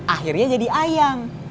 akhirnya jadi ayang